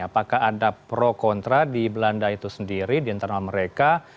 apakah ada pro kontra di belanda itu sendiri di internal mereka